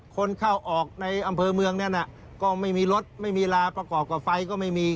คนเข้าออกในอำเภอเมืองนั้นก็ไม่มีรถไม่มีลาประกอบกับไฟก็ไม่มี